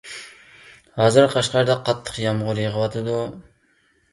ھازىر قەشقەردە قاتتىق يامغۇر يېغىۋاتىدۇ!